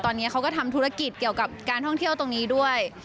ตอนนี้เขาก็ทำธุรกิจเกี่ยวกับการท่องเที่ยวตรงนี้ด้วย